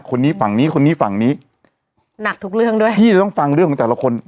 คนนี้ฝั่งนี้คนนี้ฝั่งนี้หนักทุกเรื่องด้วยพี่จะต้องฟังเรื่องของแต่ละคน